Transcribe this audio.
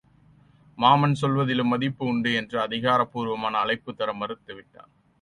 மாமன் சொல்வதிலும் மதிப்பு உண்டு என்று அதிகார பூர்வமான அழைப்புத்தர மறுத்து விட்டான்.